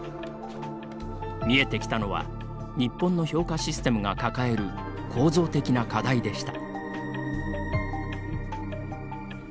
見えてきたのは日本の評価システムが抱える構造的な課題でした。